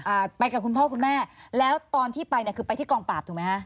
อ่าไปกับคุณพ่อคุณแม่แล้วตอนที่ไปเนี่ยคือไปที่กองปราบถูกไหมฮะ